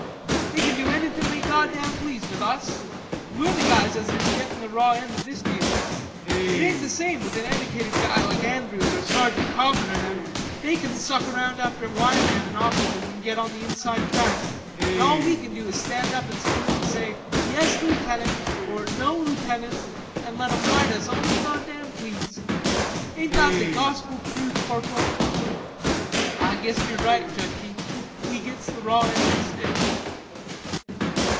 "They can do anythin' they goddam please with us. We're the guys as is gettin' the raw end of this deal. It ain't the same with an' edicated guy like Andrews or Sergeant Coffin or them. They can suck around after 'Y' men, an' officers an' get on the inside track, an' all we can do is stand up an' salute an' say 'Yes, lootenant' an' 'No, lootenant' an' let 'em ride us all they goddam please. Ain't that gospel truth, corporal?" "Ah guess you're right, Judkie; we gits the raw end of the stick."